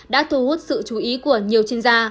đã thu hút sự chú ý của nhiều chuyên gia